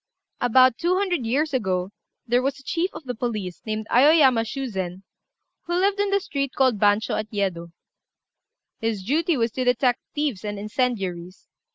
About two hundred years ago there was a chief of the police, named Aoyama Shuzen, who lived in the street called Bancho, at Yedo. His duty was to detect thieves and incendiaries.